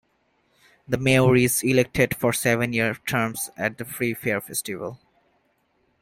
The Mayor is elected for seven-year terms at the Free Fair Festival.